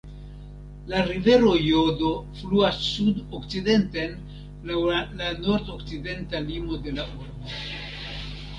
La rivero Jodo fluas sud-okcidenten laŭ la nord-okcidenta limo de la urbo.